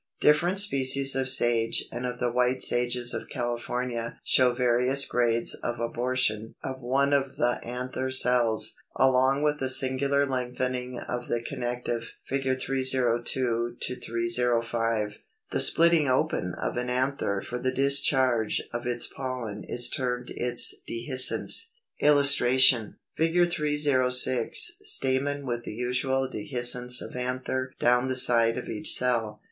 Different species of Sage and of the White Sages of California show various grades of abortion of one of the anther cells, along with a singular lengthening of the connective (Fig. 302 305). 294. The splitting open of an anther for the discharge of its pollen is termed its Dehiscence. [Illustration: Fig. 306. Stamen with the usual dehiscence of anther down the side of each cell.